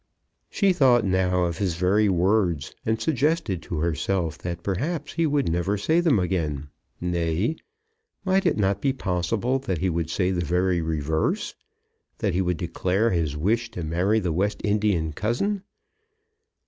She thought now of his very words, and suggested to herself that perhaps he would never say them again. Nay; might it not be possible that he would say the very reverse, that he would declare his wish to marry the West Indian cousin.